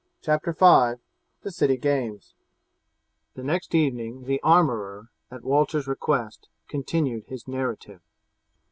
CHAPTER V: THE CITY GAMES The next evening the armourer, at Walter's request, continued his narrative.